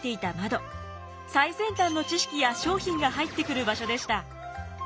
最先端の知識や商品が入ってくる場所でした。